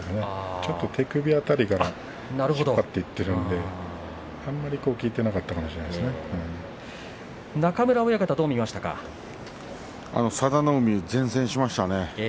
ちょっと手首辺りから引っ張っていっているのであまり効いていなかったかも中村親方は佐田の海、善戦しましたね。